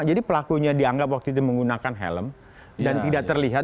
jadi pelakunya dianggap waktu itu menggunakan helm dan tidak terlihat